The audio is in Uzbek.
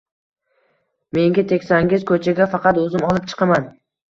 Menga tegsangiz koʻchaga faqat oʻzim olib chiqaman.